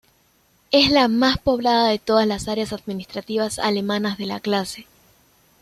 Es la más poblada de todas las áreas administrativas alemanas de la clase.